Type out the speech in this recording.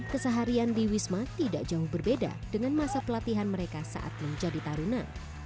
keseharian di wisma tidak jauh berbeda dengan masa pelatihan mereka saat menjadi tarunan